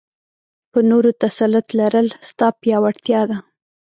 په نورو تسلط لرل؛ ستا پياوړتيا ده.